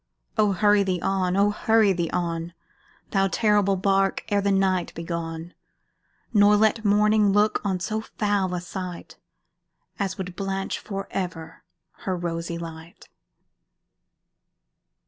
Oh! hurry thee on oh! hurry thee on, Thou terrible bark, ere the night be gone, Nor let morning look on so foul a sight As would blanch for ever her rosy light!